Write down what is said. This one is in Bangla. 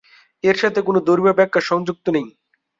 এর সাথে কোন ধর্মীয় ব্যাখ্যা সংযুক্ত নেই।